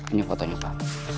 ini fotonya pak